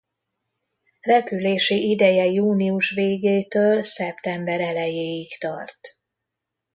Repülési ideje június végétől szeptember elejéig tart.